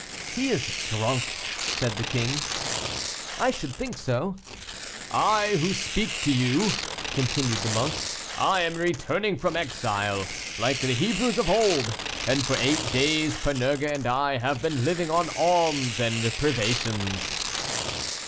"He is drunk," said the king. "I should think so." "I, who speak to you," continued the monk, "I am returning from exile like the Hebrews of old, and for eight days Panurge and I have been living on alms and privations."